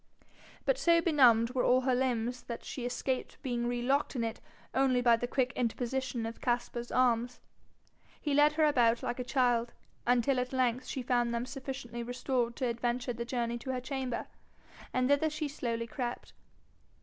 But so benumbed were all her limbs that she escaped being relocked in it only by the quick interposition of Caspar's arms. He led her about like a child, until at length she found them sufficiently restored to adventure the journey to her chamber, and thither she slowly crept.